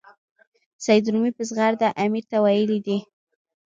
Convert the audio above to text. سید رومي په زغرده امیر ته ویلي دي.